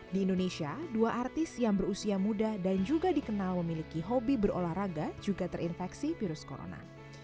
di indonesia dua artis yang berusia muda dan juga dikenal memiliki hobi berolahraga juga terinfeksi virus corona